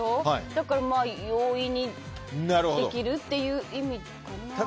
だから容易にできるっていう意味かなあ。